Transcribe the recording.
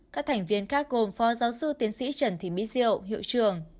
các thành viên khác gồm phó giáo sư tiến sĩ trần thị mỹ diệu hiệu trường